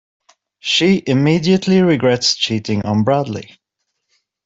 She immediately regrets cheating on Bradley.